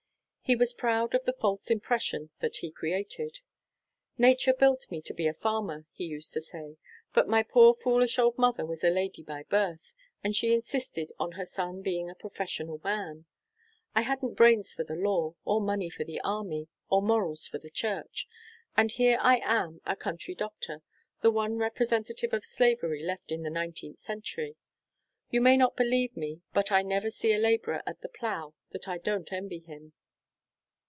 He was proud of the false impression that he created. "Nature built me to be a farmer," he used to say. "But my poor foolish old mother was a lady by birth, and she insisted on her son being a professional man. I hadn't brains for the Law, or money for the Army, or morals for the Church. And here I am a country doctor the one representative of slavery left in the nineteenth century. You may not believe me, but I never see a labourer at the plough that I don't envy him."